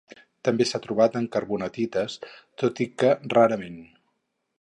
També s'ha trobat en carbonatites, tot i que rarament.